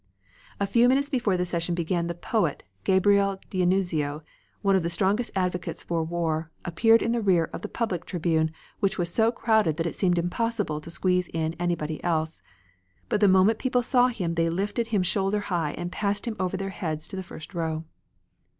A few minutes before the session began the poet, Gabrielle D'Annunzio, one of the strongest advocates of war, appeared in the rear of the public tribune which was so crowded that it seemed impossible to squeeze in anybody else. But the moment the people saw him they lifted him shoulder high and passed him over their heads to the first row.